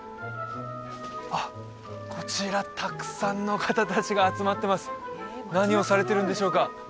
あっこちらたくさんの方達が集まってます何をされてるんでしょうか？